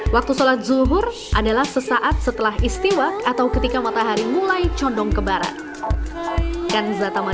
waktu sholat zuhur adalah sesaat setelah istiwa atau ketika matahari mulai condong ke barat